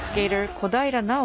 小平奈緒